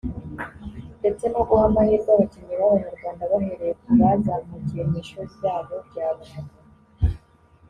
ndetse no guha amahirwe abakinnyi b’abanyarwanda bahereye ku bazamukiye mu ishuri ryabo rya ruhago